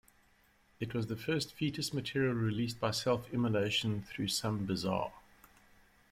It was the first Foetus material released by Self Immolation through Some Bizzare.